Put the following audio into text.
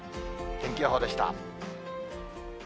天気予報でした。